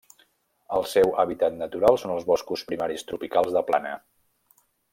El seu hàbitat natural són els boscos primaris tropicals de plana.